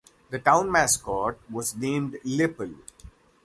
The town mascot was named "Lippal".